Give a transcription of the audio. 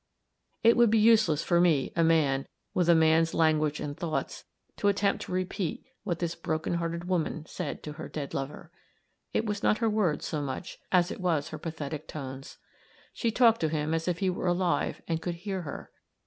It would be useless for me, a man, with a man's language and thoughts, to attempt to repeat what this broken hearted woman said to her dead lover. It was not her words so much as it was her pathetic tones. She talked to him as if he were alive and could hear her.